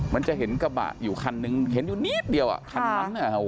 มันจะเห็นกระบะอยู่คันหนึ่งเห็นอยู่นิดเดียวอ่ะคันนั้น